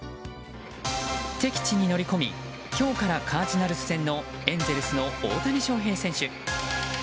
敵地に乗り込み今日からカージナルス戦のエンゼルスの大谷翔平選手。